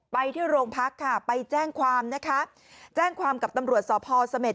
ไปที่โรงพักค่ะไปแจ้งความนะคะแจ้งความกับตำรวจสพเสม็ด